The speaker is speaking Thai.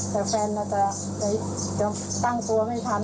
แต่แฟนเราจะตั้งตัวไม่ทัน